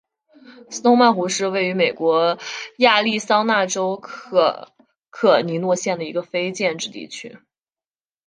斯通曼湖是位于美国亚利桑那州可可尼诺县的一个非建制地区。